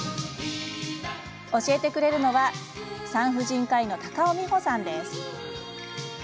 教えてくれるのは産婦人科医の高尾美穂さんです。